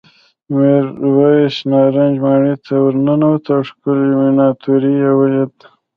میرويس نارنج ماڼۍ ته ورننوت او ښکلې مېناتوري یې ولیدل.